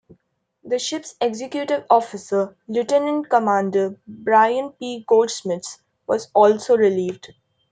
The ship's executive officer, Lieutenant Commander Brian P. Goldschmidt, was also relieved.